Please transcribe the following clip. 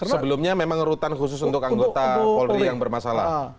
sebelumnya memang rutan khusus untuk anggota polri yang bermasalah